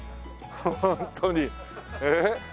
ホントにええ。